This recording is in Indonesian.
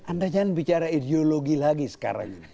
anda jangan bicara ideologi lagi sekarang ini